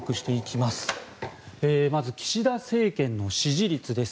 まず岸田政権の支持率です。